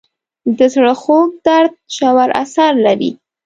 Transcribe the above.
د زړه خوږ درد ژور اثر لري.